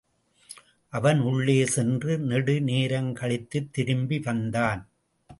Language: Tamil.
அவன் உள்ளே சென்று நெடு நேரங்கழித்துத் திரும்பி வந்தான்.